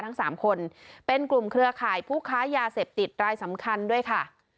ทั้งสามคนเป็นกลุ่มเครือข่ายผู้ค้ายาเสพติดรายสำคัญด้วยค่ะ